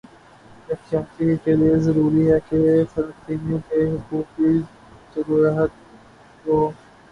یکجہتی کےلئے ضروری ہے کہ فلسطینیوں کے حقوق کی جدوجہد کو